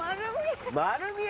丸見え。